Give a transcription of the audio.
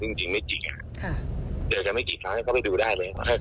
ซึ่งจริงไม่จริงเดี๋ยวเดี๋ยวกันไม่กี่ครั้งเขาไปดูได้เลย